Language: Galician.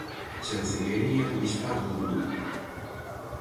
Chancelería do bispado de Lugo.